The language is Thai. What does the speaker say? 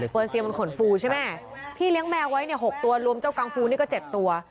เซียมันขนฟูใช่ไหมพี่เลี้ยงแมวไว้เนี่ย๖ตัวรวมเจ้ากังฟูนี่ก็๗ตัว